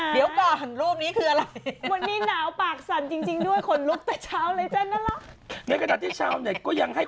เดี๋ยวก่อนรูปนี้คืออะไร